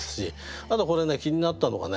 あとこれね気になったのがね